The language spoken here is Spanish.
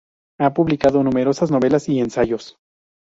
Ha publicado numerosas novelas y ensayos.